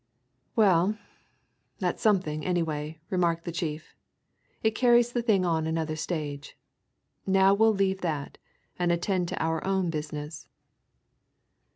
"Well, that's something, anyway," remarked the chief. "It carries the thing on another stage. Now we'll leave that and attend to our own business."